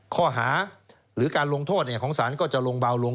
ข้อหาหรือการลงโทษของศาลก็จะลงเบาลง